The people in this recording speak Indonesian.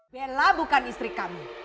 bella bukan istri kami